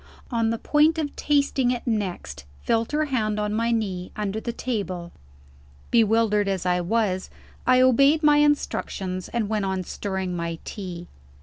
On the point of tasting it next, felt her hand on my knee, under the table. Bewildered as I was, I obeyed my instructions, and went on stirring my tea.